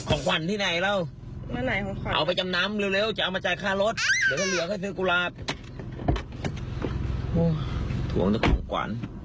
โอ้โหถวงแต่ของขวาน